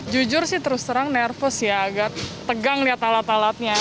jujur sih terus terang nervous ya agak tegang lihat alat alatnya